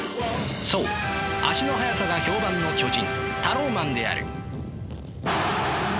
そう足の速さが評判の巨人タローマンである。